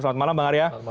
selamat malam bang arya